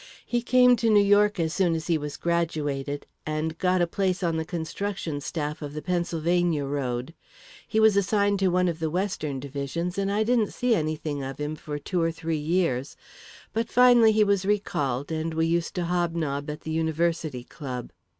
He came to New York, as soon as he was graduated, and got a place on the construction staff of the Pennsylvania road. He was assigned to one of the western divisions, and I didn't see anything of him for two or three years, but finally he was recalled, and we used to hobnob at the University Club.